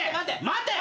待て！